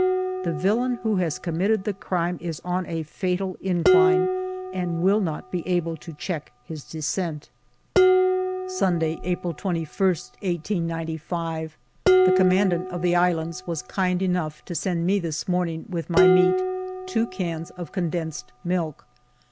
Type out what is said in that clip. The villain who has committed the crime is on a fatal incline and will not be able to check his descent. Sunday^ April 21^ i^95' The commandant of the islands was kind enough to send me this morning, with my meat, two cans of condensed milk.